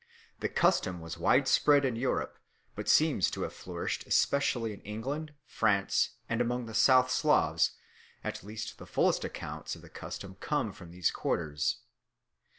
The custom was widespread in Europe, but seems to have flourished especially in England, France, and among the South Slavs; at least the fullest accounts of the custom come from these quarters.